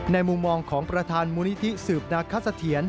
มุมมองของประธานมูลนิธิสืบนาคสะเทียน